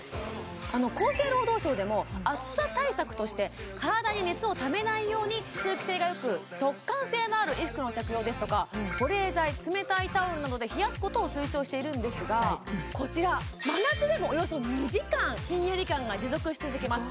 厚生労働省でも暑さ対策として体に熱をためないように通気性がよく速乾性のある衣服の着用ですとか保冷剤冷たいタオルなどで冷やすことを推奨しているんですがこちら真夏でもおよそ２時間ひんやり感が持続し続けます